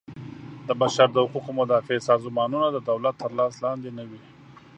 د بشر د حقوقو مدافع سازمانونه د دولت تر لاس لاندې نه وي.